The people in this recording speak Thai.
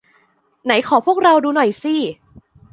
ไหนขอพวกเราดูหน่อยสิ